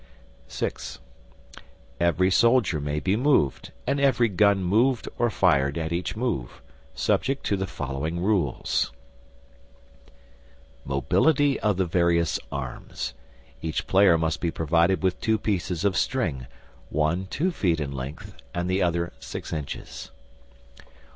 (6) Every soldier may be moved and every gun moved or fired at each move, subject to the following rules: MOBILITY OF THE VARIOUS ARMS (Each player must be provided with two pieces of string, one two feet in length and the other six inches.)